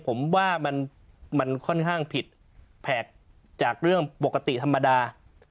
ผมว่ามันค่อนข้างผิดแผลกจากเรื่องปกติธรรมดา